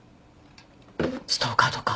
ストーカーとか？